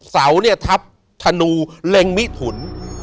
เสาทับธนูเล็งมิถุน